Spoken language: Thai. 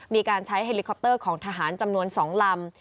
มีการใช้เฮลิคอปเตอร์ของทหารจำนวน๒ลำ